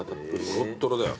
トロットロだよ。